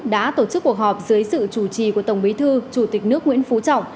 đã tổ chức cuộc họp dưới sự chủ trì của tổng bí thư chủ tịch nước nguyễn phú trọng